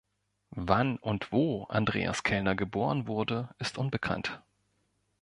Wann und wo Andreas Kellner geboren wurde, ist unbekannt.